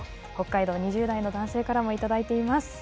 北海道２０代の男性からもいただいています。